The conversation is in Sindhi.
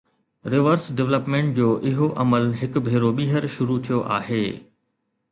ريورس ڊولپمينٽ جو اهو عمل هڪ ڀيرو ٻيهر شروع ٿيو آهي.